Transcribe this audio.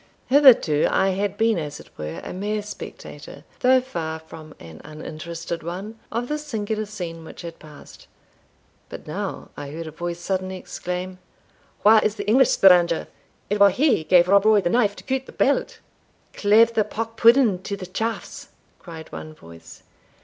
Hitherto I had been as it were a mere spectator, though far from an uninterested one, of the singular scene which had passed. But now I heard a voice suddenly exclaim, "Where is the English stranger? It was he gave Rob Roy the knife to cut the belt." "Cleeve the pock pudding to the chafts!" cried one voice.